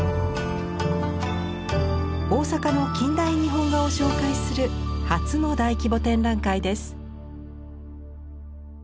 大阪の近代日本画を紹介する初の大規模展覧会です。